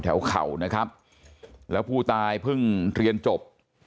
เข่านะครับแล้วผู้ตายเพิ่งเรียนจบ